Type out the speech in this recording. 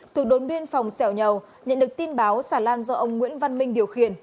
thuộc đồn biên phòng xèo nhầu nhận được tin báo sàn lan do ông nguyễn văn minh điều khiển